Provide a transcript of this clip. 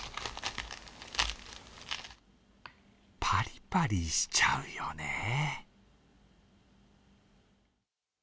パリパリしちゃうよね。